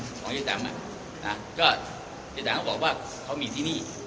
ของเจ๊แต๋มอ่ะนะก็เจ๊แต๋มเขาบอกว่าเขามีที่นี่